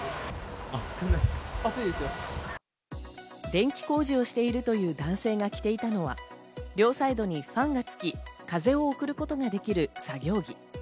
電気工事をしているという男性が着ていたのは、両サイドにファンがつき、風を送ることができる作業着。